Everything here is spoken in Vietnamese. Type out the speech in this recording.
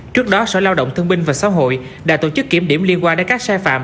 trước đó sở lao động thương binh và xã hội đã tổ chức kiểm điểm liên quan đến các sai phạm